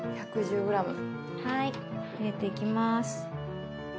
はい入れていきます。